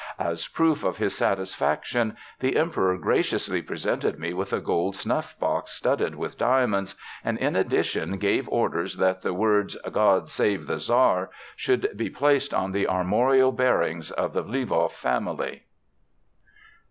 "As proof of his satisfaction the Emperor graciously presented me with a gold snuff box studded with diamonds, and in addition gave orders that the words 'God Save the Tsar' should be placed on the armorial bearings of the Lvov family."